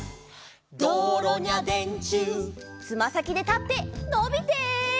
「どうろにゃでんちゅう」「つまさきで立ってのびて」